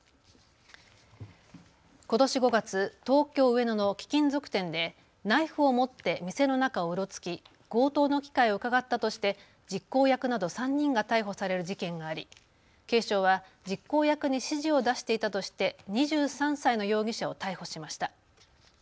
ことし５月、東京上野の貴金属店でナイフを持って店の中をうろつき強盗の機会をうかがったとして実行役など３人が逮捕される事件があり警視庁は実行役に指示を出していたとして２３歳の容疑者を逮捕しました。